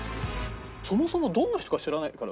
そもそもどんな人か知らないから。